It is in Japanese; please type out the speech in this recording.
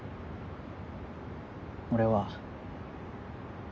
俺は。